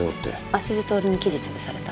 鷲津亨に記事潰された。